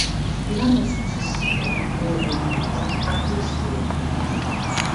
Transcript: L'anno successivo viene venduta a quest'ultima.